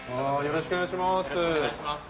よろしくお願いします。